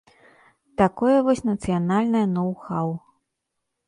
Такое вось нацыянальнае ноў-хаў.